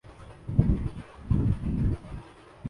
‘‘''تو آپ اس قسم کا سوال مجھ سے کیوں کر رہے ہیں؟